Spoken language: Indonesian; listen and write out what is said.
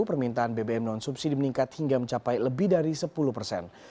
permintaan bbm non subsidi meningkat hingga mencapai lebih dari sepuluh persen